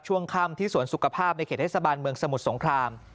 ช่วงค่ำที่สวนสุขภาพในเขตเทศบาลเมืองสมุทรสงคราม